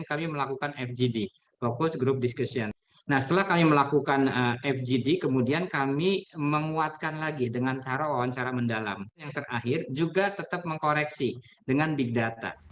kepala pusat statistik mencari penilaian yang berbeda